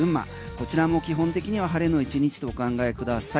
こちらも基本的には晴れの１日とお考えください。